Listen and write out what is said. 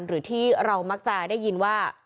หรือที่เรามักจะได้ยินว่า